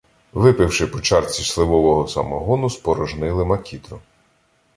Випивши по чарці сливового самогону, спорожнили макітру.